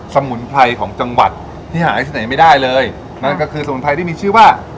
สมุนไพรของจังหวัดที่หาที่ไหนไม่ได้เลยนั่นก็คือสมุนไพรที่มีชื่อว่า